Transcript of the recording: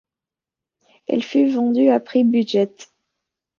Elle fut vendue à prix budget.